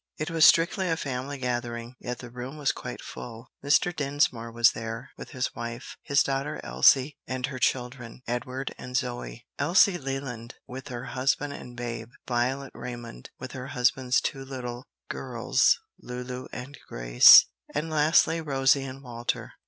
It was strictly a family gathering, yet the room was quite full. Mr. Dinsmore was there with his wife, his daughter Elsie and her children, Edward and Zoe, Elsie Leland with her husband and babe, Violet Raymond with her husband's two little girls, Lulu and Grace, and lastly Rosie and Walter.